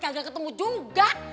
kagak ketemu juga